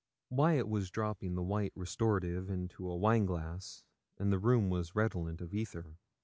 Wyat was dropping the 'white' restorative into a wine glass and the room was redolent of ether.